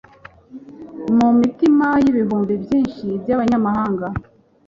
mu mitima y'ibihumbi byinshi by'abanyamahanga.